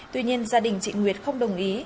tuy nhiên gia đình chị nguyệt không đồng ý